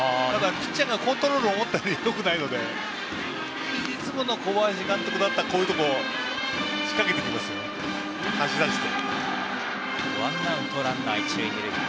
ピッチャーがコントロールが思ったよりよくないのでいつもの小林監督だったら仕掛けてきますよ、走らせて。